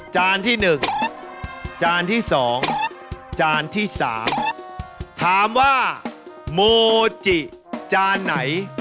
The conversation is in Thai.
จานที่๑จานที่๒จานที่๓ถามว่าโมจิจานไหน